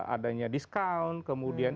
adanya discount kemudian